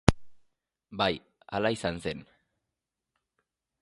Bai, hala izan zen.